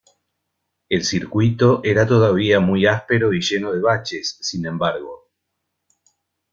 El circuito era todavía muy áspero y lleno de baches, sin embargo.